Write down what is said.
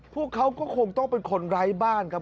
พวกเขาก็คงต้องเป็นคนไร้บ้านครับ